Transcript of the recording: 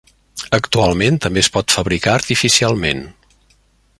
Actualment també es pot fabricar artificialment.